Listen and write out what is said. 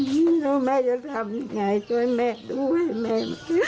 ไม่รู้แม่จะทำยังไงช่วยแม่ด้วยแม่